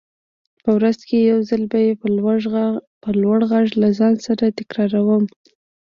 په ورځ کې يو ځل به يې په لوړ غږ له ځان سره تکراروم.